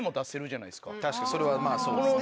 確かにそれはまぁそうですね。